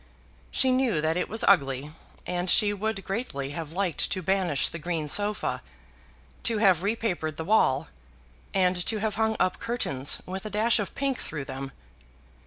She knew that it was ugly, and she would greatly have liked to banish the green sofa, to have re papered the wall, and to have hung up curtains with a dash of pink through them.